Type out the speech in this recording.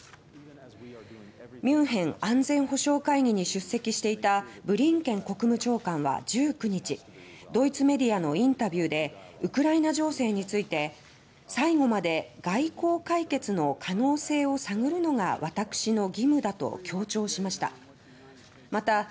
ミュンヘン安全保障会議に出席していたブリンケン国務長官は、１９日ドイツメディアのインタビューでウクライナ情勢について「最後まで外交解決の可能性を探るのが私の義務だ」と強調しました。